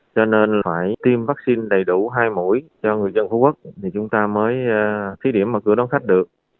cho nên phải tiêm vaccine đầy đủ hai mũi cho người dân phú quốc thì chúng ta mới thí điểm mở cửa đón khách được